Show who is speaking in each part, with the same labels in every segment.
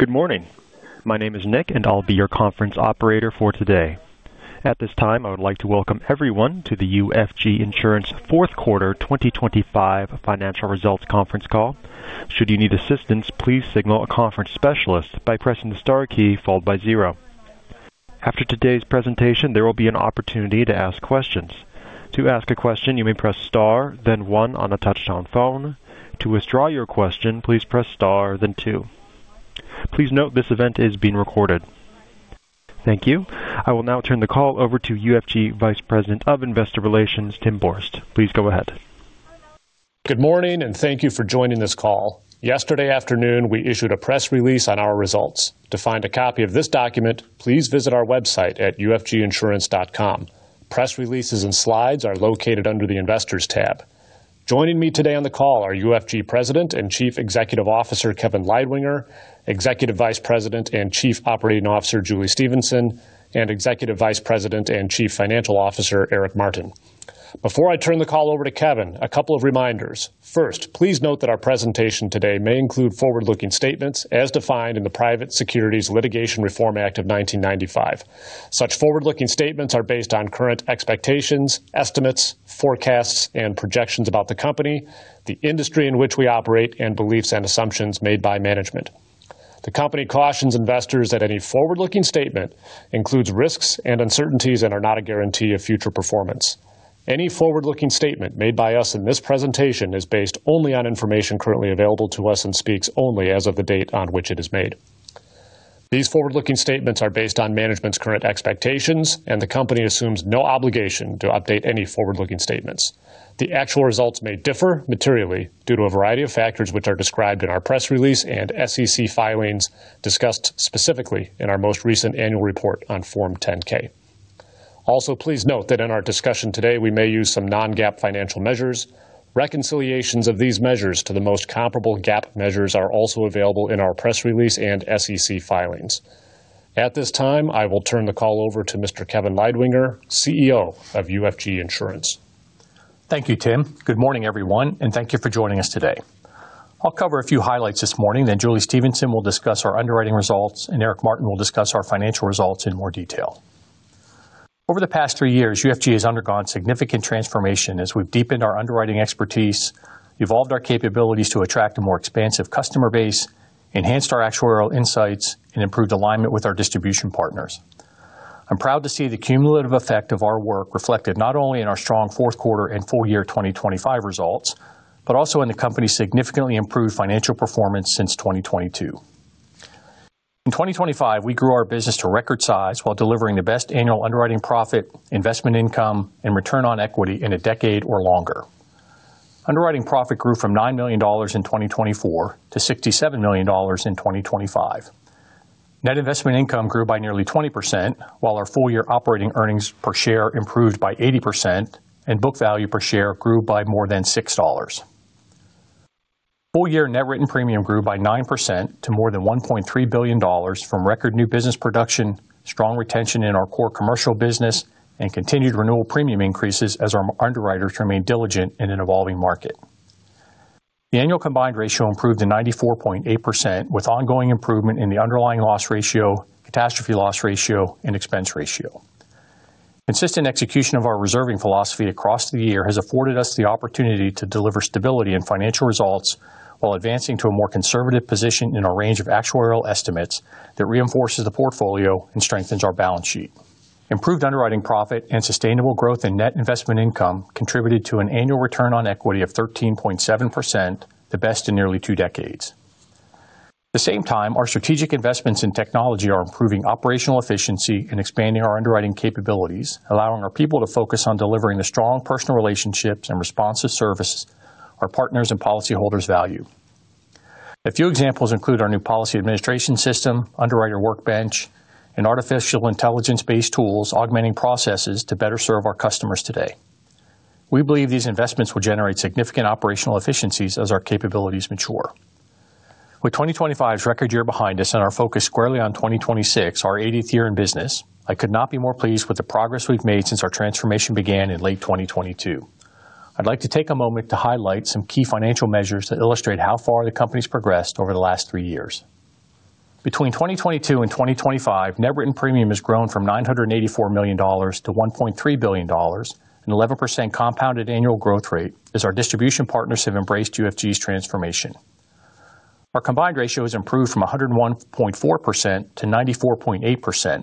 Speaker 1: Good morning. My name is Nick, and I'll be your conference operator for today. At this time, I would like to welcome everyone to the UFG Insurance Fourth Quarter 2025 Financial Results conference call. Should you need assistance, please signal a conference specialist by pressing the star key followed by zero. After today's presentation, there will be an opportunity to ask questions. To ask a question, you may press star, then one on a touch-tone phone. To withdraw your question, please press star then two. Please note, this event is being recorded. Thank you. I will now turn the call over to UFG Vice President of Investor Relations, Tim Borst. Please go ahead.
Speaker 2: Good morning, and thank you for joining this call. Yesterday afternoon, we issued a press release on our results. To find a copy of this document, please visit our website at ufginsurance.com. Press releases and slides are located under the Investors tab. Joining me today on the call are UFG President and Chief Executive Officer, Kevin Leidwinger, Executive Vice President and Chief Operating Officer, Julie Stephenson, and Executive Vice President and Chief Financial Officer, Eric Martin. Before I turn the call over to Kevin, a couple of reminders. First, please note that our presentation today may include forward-looking statements as defined in the Private Securities Litigation Reform Act of 1995. Such forward-looking statements are based on current expectations, estimates, forecasts, and projections about the company, the industry in which we operate, and beliefs and assumptions made by management. The company cautions investors that any forward-looking statement includes risks and uncertainties and are not a guarantee of future performance. Any forward-looking statement made by us in this presentation is based only on information currently available to us and speaks only as of the date on which it is made. These forward-looking statements are based on management's current expectations, and the company assumes no obligation to update any forward-looking statements. The actual results may differ materially due to a variety of factors, which are described in our press release and SEC filings, discussed specifically in our most recent annual report on Form 10-K. Also, please note that in our discussion today, we may use some non-GAAP financial measures. Reconciliations of these measures to the most comparable GAAP measures are also available in our press release and SEC filings. At this time, I will turn the call over to Mr. Kevin Leidwinger, CEO of UFG Insurance.
Speaker 3: Thank you, Tim. Good morning, everyone, and thank you for joining us today. I'll cover a few highlights this morning, then Julie Stephenson will discuss our underwriting results, and Eric Martin will discuss our financial results in more detail. Over the past three years, UFG has undergone significant transformation as we've deepened our underwriting expertise, evolved our capabilities to attract a more expansive customer base, enhanced our actuarial insights, and improved alignment with our distribution partners. I'm proud to see the cumulative effect of our work reflected not only in our strong fourth quarter and full year 2025 results, but also in the company's significantly improved financial performance since 2022. In 2025, we grew our business to record size while delivering the best annual underwriting profit, investment income, and return on equity in a decade or longer. Underwriting profit grew from $9 million in 2024-$67 million in 2025. Net investment income grew by nearly 20%, while our full-year operating earnings per share improved by 80% and book value per share grew by more than $6. Full-year net written premium grew by 9% to more than $1.3 billion from record new business production, strong retention in our core commercial business, and continued renewal premium increases as our underwriters remain diligent in an evolving market. The annual combined ratio improved to 94.8%, with ongoing improvement in the underlying loss ratio, catastrophe loss ratio, and expense ratio. Consistent execution of our reserving philosophy across the year has afforded us the opportunity to deliver stability and financial results while advancing to a more conservative position in our range of actuarial estimates that reinforces the portfolio and strengthens our balance sheet. Improved underwriting profit and sustainable growth in net investment income contributed to an annual return on equity of 13.7%, the best in nearly two decades. At the same time, our strategic investments in technology are improving operational efficiency and expanding our underwriting capabilities, allowing our people to focus on delivering the strong personal relationships and responsive service our partners and policyholders value. A few examples include our new policy administration system, underwriter workbench, and artificial intelligence-based tools, augmenting processes to better serve our customers today. We believe these investments will generate significant operational efficiencies as our capabilities mature. With 2025's record year behind us and our focus squarely on 2026, our 80th year in business, I could not be more pleased with the progress we've made since our transformation began in late 2022. I'd like to take a moment to highlight some key financial measures that illustrate how far the Company's progressed over the last three years. Between 2022 and 2025, net written premium has grown from $984 million-$1.3 billion, an 11% compounded annual growth rate as our distribution partners have embraced UFG's transformation. Our combined ratio has improved from 101.4%-4.8%,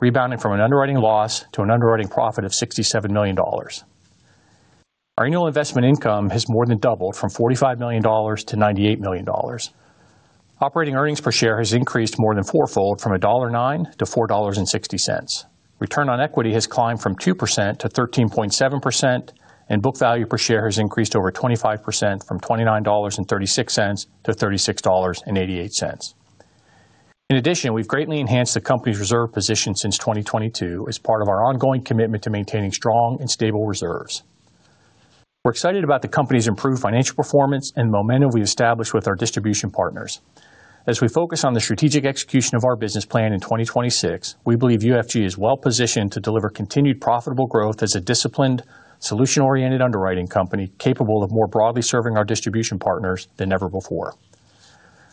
Speaker 3: rebounding from an underwriting loss to an underwriting profit of $67 million. Our annual investment income has more than doubled from $45 million-$98 million. Operating earnings per share has increased more than fourfold from $1.09-$4.60. Return on equity has climbed from 2%-13.7%, and book value per share has increased over 25% from $29.36-$36.88. In addition, we've greatly enhanced the company's reserve position since 2022 as part of our ongoing commitment to maintaining strong and stable reserves. We're excited about the company's improved financial performance and the momentum we've established with our distribution partners. As we focus on the strategic execution of our business plan in 2026, we believe UFG is well-positioned to deliver continued profitable growth as a disciplined, solution-oriented underwriting company, capable of more broadly serving our distribution partners than ever before.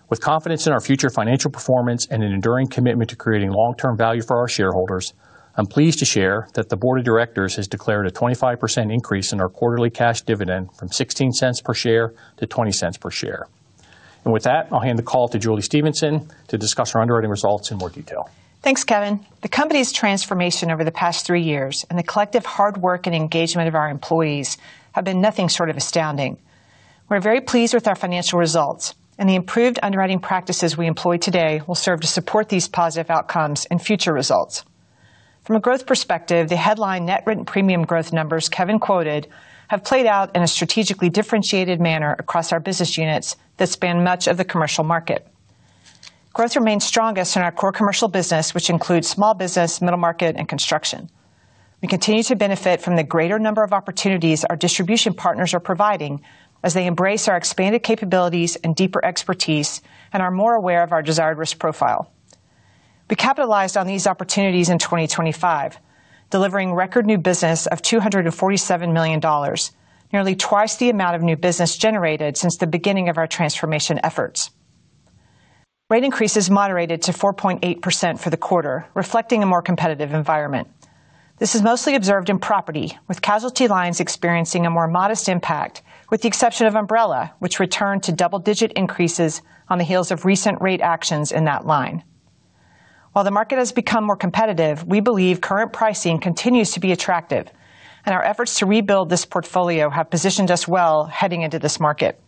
Speaker 3: With confidence in our future financial performance and an enduring commitment to creating long-term value for our shareholders, I'm pleased to share that the board of directors has declared a 25% increase in our quarterly cash dividend from $0.16 per share-$0.20 per share. And with that, I'll hand the call to Julie Stephenson to discuss our underwriting results in more detail.
Speaker 4: Thanks, Kevin. The company's transformation over the past three years and the collective hard work and engagement of our employees have been nothing short of astounding. We're very pleased with our financial results, and the improved underwriting practices we employ today will serve to support these positive outcomes and future results. From a growth perspective, the headline net written premium growth numbers Kevin quoted have played out in a strategically differentiated manner across our business units that span much of the commercial market. Growth remains strongest in our core commercial business, which includes small business, middle market, and construction. We continue to benefit from the greater number of opportunities our distribution partners are providing as they embrace our expanded capabilities and deeper expertise and are more aware of our desired risk profile. We capitalized on these opportunities in 2025, delivering record new business of $247 million, nearly twice the amount of new business generated since the beginning of our transformation efforts. Rate increases moderated to 4.8% for the quarter, reflecting a more competitive environment. This is mostly observed in property, with casualty lines experiencing a more modest impact, with the exception of umbrella, which returned to double-digit increases on the heels of recent rate actions in that line. While the market has become more competitive, we believe current pricing continues to be attractive, and our efforts to rebuild this portfolio have positioned us well heading into this market.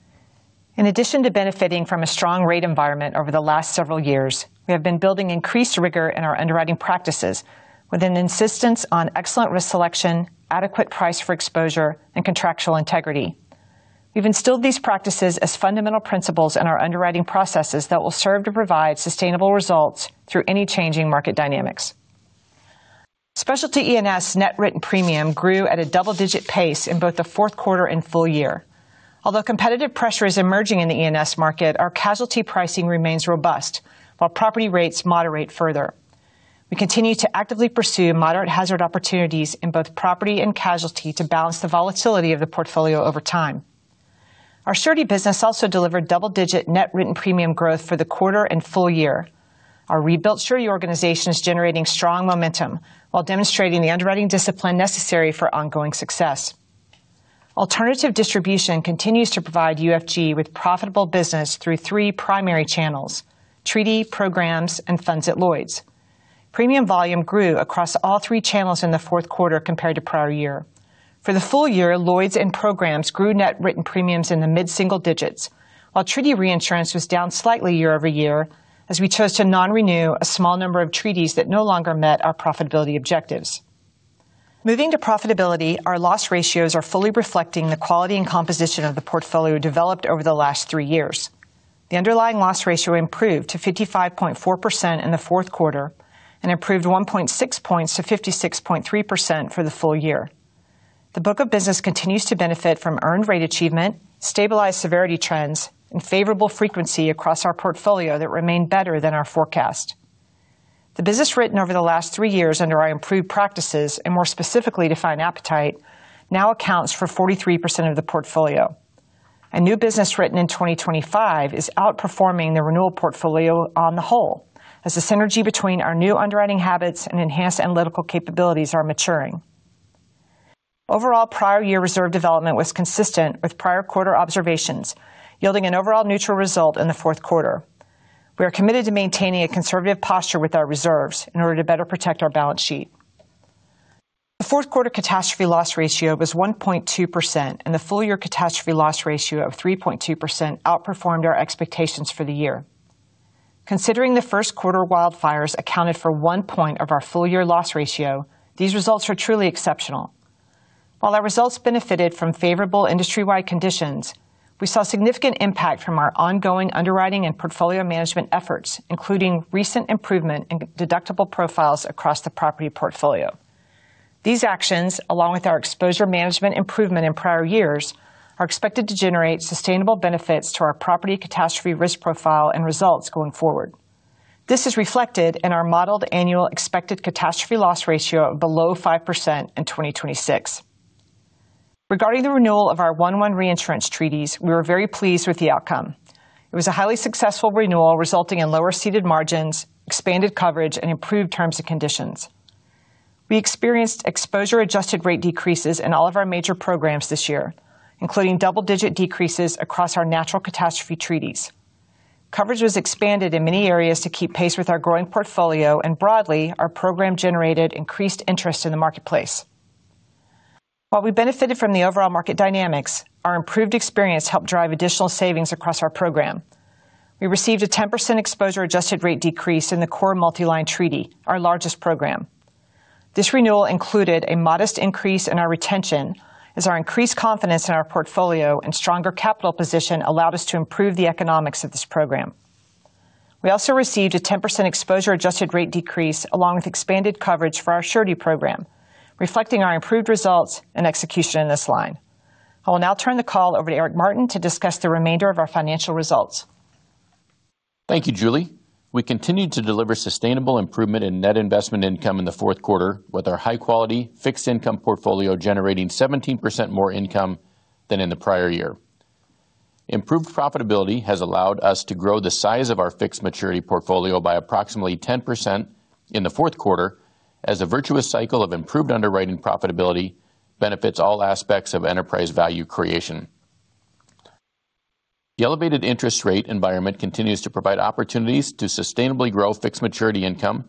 Speaker 4: In addition to benefiting from a strong rate environment over the last several years, we have been building increased rigor in our underwriting practices with an insistence on excellent risk selection, adequate price for exposure, and contractual integrity. We've instilled these practices as fundamental principles in our underwriting processes that will serve to provide sustainable results through any changing market dynamics. Specialty E&S net written premium grew at a double-digit pace in both the fourth quarter and full year. Although competitive pressure is emerging in the E&S market, our casualty pricing remains robust, while property rates moderate further. We continue to actively pursue moderate hazard opportunities in both property and casualty to balance the volatility of the portfolio over time. Our surety business also delivered double-digit net written premium growth for the quarter and full year. Our rebuilt surety organization is generating strong momentum while demonstrating the underwriting discipline necessary for ongoing success. Alternative distribution continues to provide UFG with profitable business through three primary channels: treaty, programs, and Funds at Lloyd's. Premium volume grew across all three channels in the fourth quarter compared to prior year. For the full year, Lloyd's and programs grew net written premiums in the mid-single digits, while treaty reinsurance was down slightly year-over-year, as we chose to non-renew a small number of treaties that no longer met our profitability objectives. Moving to profitability, our loss ratios are fully reflecting the quality and composition of the portfolio developed over the last three years. The underlying loss ratio improved to 55.4% in the fourth quarter and improved 1.6 points to 56.3% for the full year. The book of business continues to benefit from earned rate achievement, stabilized severity trends, and favorable frequency across our portfolio that remained better than our forecast. The business written over the last three years under our improved practices, and more specifically, defined appetite, now accounts for 43% of the portfolio. New business written in 2025 is outperforming the renewal portfolio on the whole, as the synergy between our new underwriting habits and enhanced analytical capabilities are maturing. Overall, prior year reserve development was consistent with prior quarter observations, yielding an overall neutral result in the fourth quarter. We are committed to maintaining a conservative posture with our reserves in order to better protect our balance sheet. The fourth quarter catastrophe loss ratio was 1.2%, and the full year catastrophe loss ratio of 3.2% outperformed our expectations for the year. Considering the first quarter wildfires accounted for one point of our full year loss ratio, these results are truly exceptional. While our results benefited from favorable industry-wide conditions, we saw significant impact from our ongoing underwriting and portfolio management efforts, including recent improvement in deductible profiles across the property portfolio. These actions, along with our exposure management improvement in prior years, are expected to generate sustainable benefits to our property catastrophe risk profile and results going forward. This is reflected in our modeled annual expected catastrophe loss ratio of below 5% in 2026. Regarding the renewal of our 1/1 reinsurance treaties, we were very pleased with the outcome. It was a highly successful renewal, resulting in lower ceded margins, expanded coverage, and improved terms and conditions. We experienced exposure-adjusted rate decreases in all of our major programs this year, including double-digit decreases across our natural catastrophe treaties. Coverage was expanded in many areas to keep pace with our growing portfolio, and broadly, our program generated increased interest in the marketplace. While we benefited from the overall market dynamics, our improved experience helped drive additional savings across our program. We received a 10% exposure adjusted rate decrease in the core multi-line treaty, our largest program. This renewal included a modest increase in our retention as our increased confidence in our portfolio and stronger capital position allowed us to improve the economics of this program. We also received a 10% exposure adjusted rate decrease, along with expanded coverage for our surety program, reflecting our improved results and execution in this line. I will now turn the call over to Eric Martin to discuss the remainder of our financial results.
Speaker 5: Thank you, Julie. ...We continued to deliver sustainable improvement in net investment income in the fourth quarter, with our high-quality fixed income portfolio generating 17% more income than in the prior year. Improved profitability has allowed us to grow the size of our fixed maturity portfolio by approximately 10% in the fourth quarter, as a virtuous cycle of improved underwriting profitability benefits all aspects of enterprise value creation. The elevated interest rate environment continues to provide opportunities to sustainably grow fixed maturity income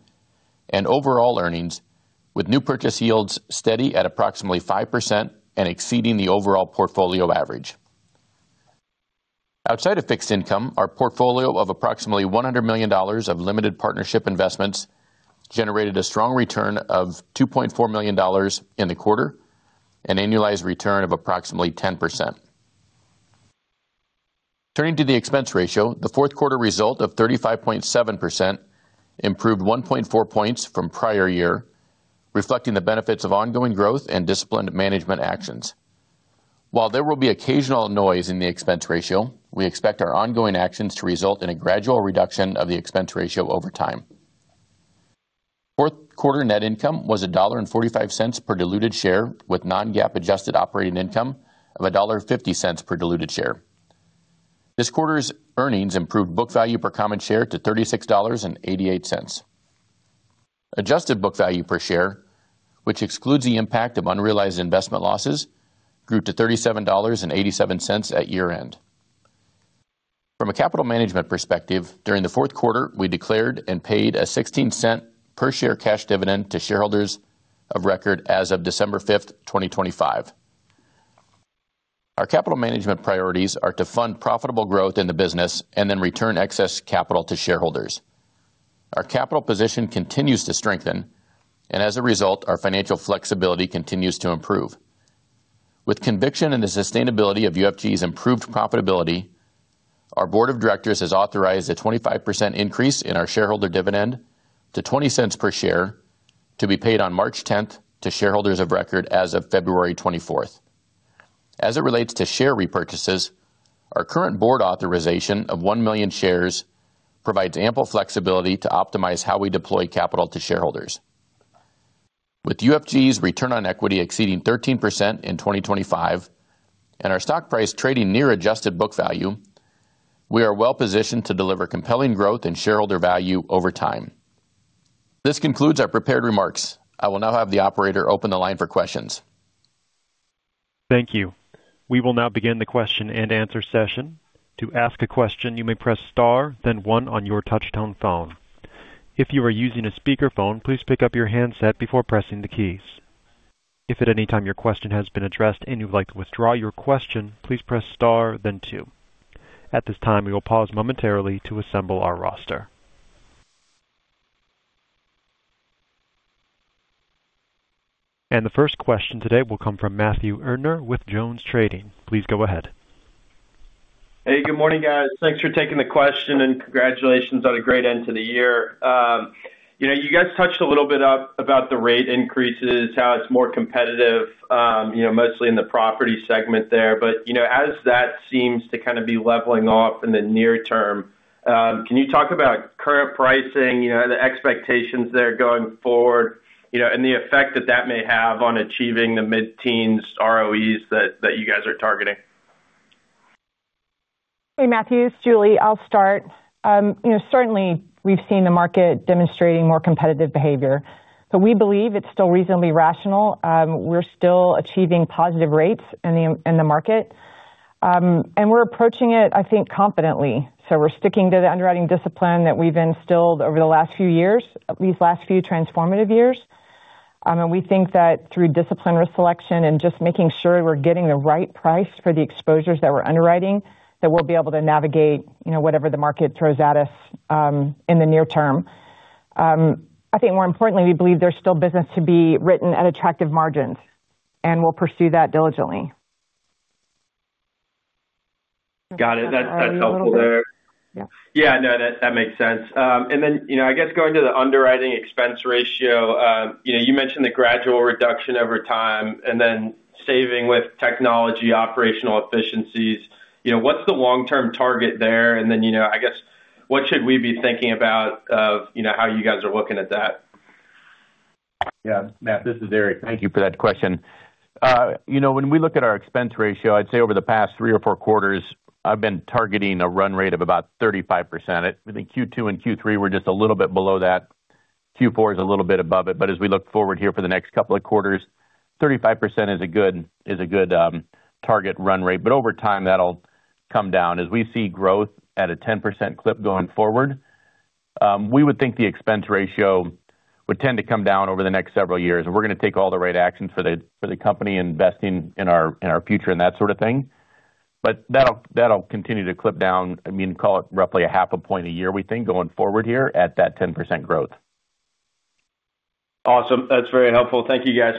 Speaker 5: and overall earnings, with new purchase yields steady at approximately 5% and exceeding the overall portfolio average. Outside of fixed income, our portfolio of approximately $100 million of limited partnership investments generated a strong return of $2.4 million in the quarter, an annualized return of approximately 10%. Turning to the expense ratio, the fourth quarter result of 35.7% improved 1.4 points from prior year, reflecting the benefits of ongoing growth and disciplined management actions. While there will be occasional noise in the expense ratio, we expect our ongoing actions to result in a gradual reduction of the expense ratio over time. Fourth quarter net income was $1.45 per diluted share, with non-GAAP adjusted operating income of $1.50 per diluted share. This quarter's earnings improved book value per common share to $36.88. Adjusted book value per share, which excludes the impact of unrealized investment losses, grew to $37.87 at year-end. From a capital management perspective, during the fourth quarter, we declared and paid a $0.16 per share cash dividend to shareholders of record as of December 5, 2025. Our capital management priorities are to fund profitable growth in the business and then return excess capital to shareholders. Our capital position continues to strengthen, and as a result, our financial flexibility continues to improve. With conviction in the sustainability of UFG's improved profitability, our board of directors has authorized a 25% increase in our shareholder dividend to $0.20 per share, to be paid on March 10 to shareholders of record as of February 24. As it relates to share repurchases, our current board authorization of 1 million shares provides ample flexibility to optimize how we deploy capital to shareholders. With UFG's return on equity exceeding 13% in 2025 and our stock price trading near adjusted book value, we are well-positioned to deliver compelling growth in shareholder value over time. This concludes our prepared remarks. I will now have the operator open the line for questions.
Speaker 1: Thank you. We will now begin the question-and-answer session. To ask a question, you may press star, then one on your touchtone phone. If you are using a speakerphone, please pick up your handset before pressing the keys. If at any time your question has been addressed and you'd like to withdraw your question, please press star, then two. At this time, we will pause momentarily to assemble our roster. The first question today will come from Matthew Erdner with JonesTrading. Please go ahead.
Speaker 6: Hey, good morning, guys. Thanks for taking the question, and congratulations on a great end to the year. You know, you guys touched a little bit up about the rate increases, how it's more competitive, you know, mostly in the property segment there. But, you know, as that seems to kind of be leveling off in the near term, can you talk about current pricing, you know, the expectations there going forward, you know, and the effect that that may have on achieving the mid-teens ROEs that you guys are targeting?
Speaker 4: Hey, Matthew, it's Julie. I'll start. You know, certainly we've seen the market demonstrating more competitive behavior, but we believe it's still reasonably rational. We're still achieving positive rates in the market, and we're approaching it, I think, confidently. We're sticking to the underwriting discipline that we've instilled over the last few years, these last few transformative years. We think that through disciplined risk selection and just making sure we're getting the right price for the exposures that we're underwriting, that we'll be able to navigate, you know, whatever the market throws at us, in the near term. I think more importantly, we believe there's still business to be written at attractive margins, and we'll pursue that diligently.
Speaker 6: Got it. That's, that's helpful there.
Speaker 4: Yeah.
Speaker 6: Yeah, I know that, that makes sense. And then, you know, I guess going to the underwriting expense ratio, you know, you mentioned the gradual reduction over time and then saving with technology, operational efficiencies. You know, what's the long-term target there? And then, you know, I guess, what should we be thinking about of, you know, how you guys are looking at that?
Speaker 5: Yeah. Matt, this is Eric. Thank you for that question. You know, when we look at our expense ratio, I'd say over the past three or four quarters, I've been targeting a run rate of about 35%. I think Q2 and Q3 were just a little bit below that. Q4 is a little bit above it, but as we look forward here for the next couple of quarters, 35% is a good, is a good, target run rate. But over time, that'll come down. As we see growth at a 10% clip going forward, we would think the expense ratio would tend to come down over the next several years, and we're going to take all the right actions for the, for the company, investing in our, in our future and that sort of thing. But that'll, that'll continue to clip down. I mean, call it roughly 0.5 point a year, we think, going forward here at that 10% growth.
Speaker 6: Awesome. That's very helpful. Thank you, guys.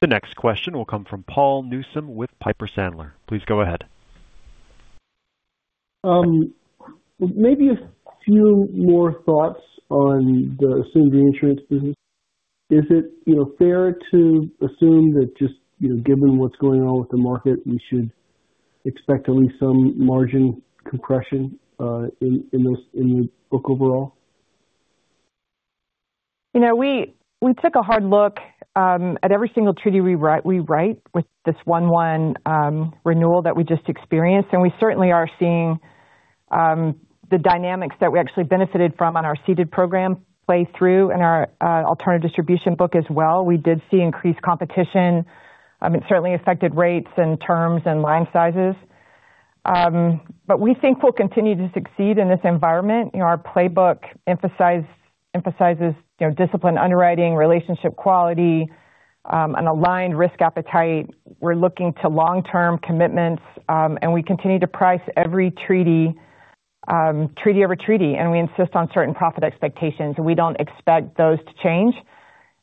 Speaker 1: The next question will come from Paul Newsome with Piper Sandler. Please go ahead.
Speaker 7: Maybe a few more thoughts on the assumed insurance business. Is it, you know, fair to assume that just, you know, given what's going on with the market, we should expect at least some margin compression in this, in the book overall?
Speaker 4: You know, we took a hard look at every single treaty we write with this 1/1 renewal that we just experienced. And we certainly are seeing the dynamics that we actually benefited from on our ceded program play through in our alternative distribution book as well. We did see increased competition. It certainly affected rates and terms and line sizes. But we think we'll continue to succeed in this environment. You know, our playbook emphasizes disciplined underwriting, relationship quality, an aligned risk appetite. We're looking to long-term commitments, and we continue to price every treaty treaty over treaty, and we insist on certain profit expectations, and we don't expect those to change.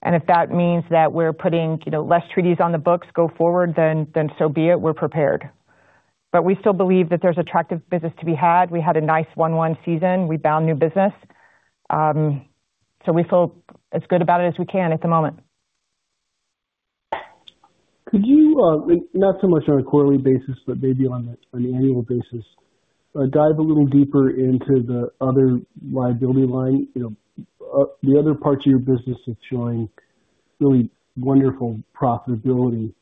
Speaker 4: And if that means that we're putting less treaties on the books going forward, then so be it, we're prepared. But we still believe that there's attractive business to be had. We had a nice 1/1 season. We bound new business. So we feel as good about it as we can at the moment.
Speaker 7: Could you, not so much on a quarterly basis, but maybe on an annual basis, dive a little deeper into the other liability line? You know, the other parts of your business is showing really wonderful profitability,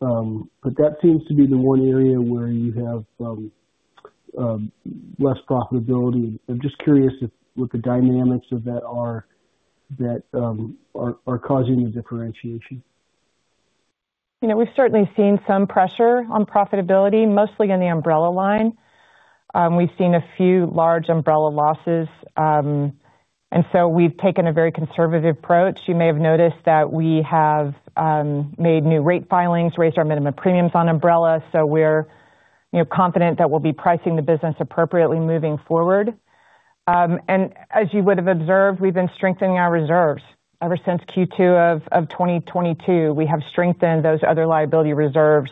Speaker 7: but that seems to be the one area where you have, less profitability. I'm just curious if what the dynamics of that are causing the differentiation.
Speaker 4: You know, we've certainly seen some pressure on profitability, mostly in the umbrella line. We've seen a few large umbrella losses, and so we've taken a very conservative approach. You may have noticed that we have made new rate filings, raised our minimum premiums on umbrella, so we're, you know, confident that we'll be pricing the business appropriately moving forward. And as you would have observed, we've been strengthening our reserves. Ever since Q2 of 2022, we have strengthened those other liability reserves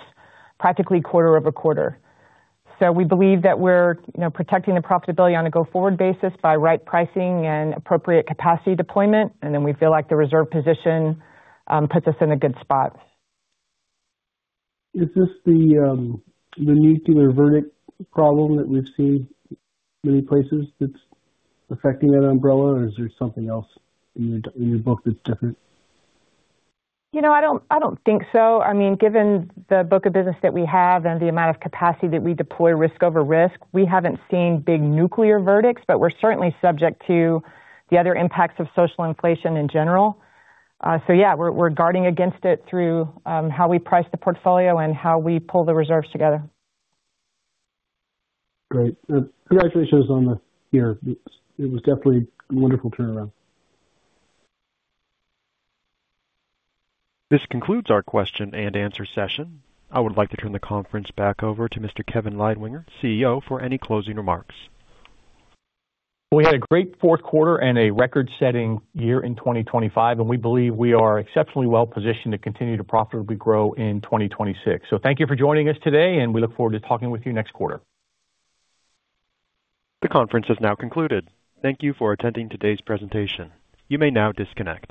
Speaker 4: practically quarter-over-quarter. So we believe that we're, you know, protecting the profitability on a go-forward basis by right pricing and appropriate capacity deployment, and then we feel like the reserve position puts us in a good spot.
Speaker 7: Is this the nuclear verdict problem that we've seen many places that's affecting that umbrella, or is there something else in your book that's different?
Speaker 4: You know, I don't, I don't think so. I mean, given the book of business that we have and the amount of capacity that we deploy risk over risk, we haven't seen big nuclear verdicts, but we're certainly subject to the other impacts of social inflation in general. So yeah, we're, we're guarding against it through how we price the portfolio and how we pull the reserves together.
Speaker 7: Great. And congratulations on the year. It was definitely a wonderful turnaround.
Speaker 1: This concludes our question-and-answer session. I would like to turn the conference back over to Mr. Kevin Leidwinger, CEO, for any closing remarks.
Speaker 3: We had a great fourth quarter and a record-setting year in 2025, and we believe we are exceptionally well positioned to continue to profitably grow in 2026. So thank you for joining us today, and we look forward to talking with you next quarter.
Speaker 1: The conference has now concluded. Thank you for attending today's presentation. You may now disconnect.